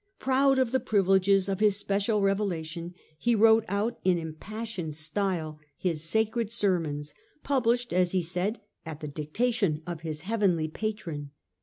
Proud of the privileges of his special revelation, he wrote out in impassioned style his sacred udesfwho sennonsj published, as he said, at the dicta . r 1 • L 1 ' mystic tion 01 his heavenly patron.